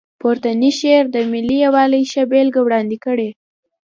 پورتنی شعر د ملي یووالي ښه بېلګه وړاندې کړې.